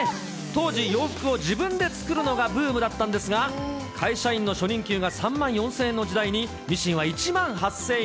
当時、洋服を自分で作るのがブームだったんですが、会社員の初任給が３万４０００円の時代に、ミシンは１万８０００円。